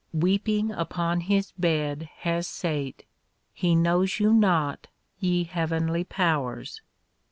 Weeping upon his bed has sate, He knows you not, ye Heavenly Powers.